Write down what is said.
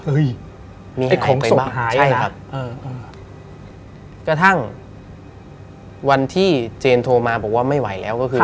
เฮ้ยไอ้ของศพหายไปใช่ครับเออเออกระทั่งวันที่เจนโทรมาบอกว่าไม่ไหวแล้วก็คือ